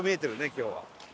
今日は。